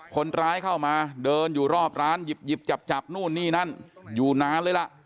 คนร้ายเข้ามาเดินอยู่รอบร้านหยิบจับนู่นนี่นั่นอยู่นานเลยล่ะ